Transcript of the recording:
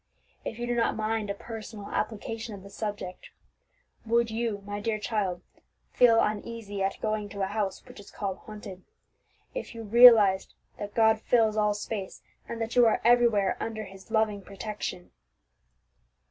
If you do not mind a personal application of the subject, would you, my dear child, feel uneasy at going to a house which is called haunted, if you realized that God fills all space, and that you are everywhere under His loving protection?"